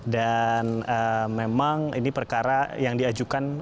dan memang ini perkara yang diajukan